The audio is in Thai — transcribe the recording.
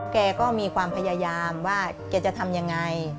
แกก็มีความพยายามว่าแกจะทำยังไง